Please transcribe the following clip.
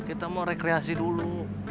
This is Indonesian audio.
kita mau rekreasi dulu